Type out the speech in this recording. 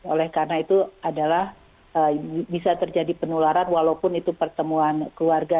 oleh karena itu adalah bisa terjadi penularan walaupun itu pertemuan keluarga